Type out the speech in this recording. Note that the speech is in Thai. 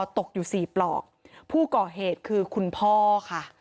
ตกอยู่สี่ปลอกผู้ก่อเหตุคือคุณพ่อค่ะ